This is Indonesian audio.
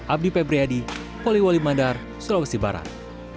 abdi pebriyadi poliwoli mandar sulawesi barat